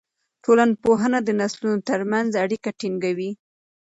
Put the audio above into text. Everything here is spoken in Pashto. ټولنپوهنه د نسلونو ترمنځ اړیکه ټینګوي.